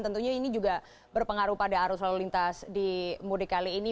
tentunya ini juga berpengaruh pada arus lalu lintas di mudik kali ini